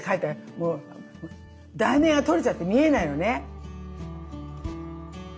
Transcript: もう題名が取れちゃって見えないのね。